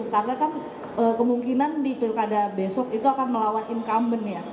karena kan kemungkinan di pilkada besok itu akan melawan incumbent ya